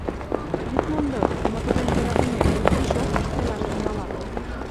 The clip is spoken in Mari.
— Ит мондо, моторем-йӧратымем: хрущевкышто илаш тӱҥалат.